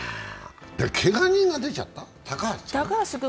けが人が出ちゃった、高橋君？